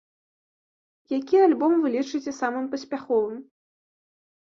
Які альбом вы лічыце самым паспяховым?